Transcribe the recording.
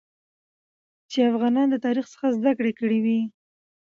چې افغانان د تاریخ څخه زده کړه وکړي